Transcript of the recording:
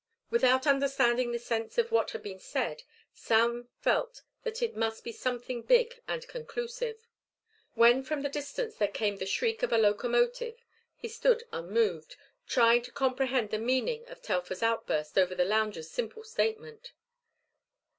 Without understanding the sense of what had been said, Sam felt that it must be something big and conclusive. When from the distance there came the shriek of a locomotive, he stood unmoved, trying to comprehend the meaning of Telfer's outburst over the lounger's simple statement.